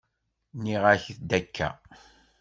Nniɣ-ak-d akka?